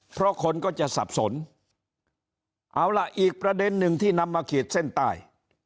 เพราะคนก็จะสับสนเอาล่ะอีกประเด็นหนึ่งที่นำมาขีดเส้นใต้